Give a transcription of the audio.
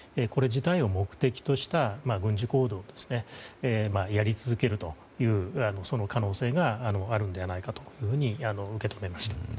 これ自体を目的とした軍事行動をやり続けるという可能性があるのではないかというふうに受け止めました。